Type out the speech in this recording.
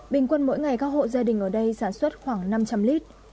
bình quân mỗi ngày các hộ gia đình ở đây sản xuất khoảng năm trăm linh lít